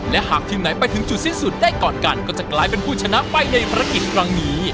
และหากทีมไหนไปถึงจุดสิ้นสุดได้ก่อนกันก็จะกลายเป็นผู้ชนะไปในภารกิจครั้งนี้